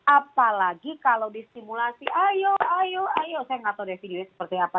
apalagi kalau disimulasi ayo ayo ayo saya nggak tahu dari video ini seperti apa